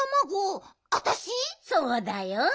そうだよ。